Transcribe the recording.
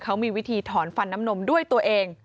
เขามีวิธีถอนฟันน้ำนมด้วยตัวเอง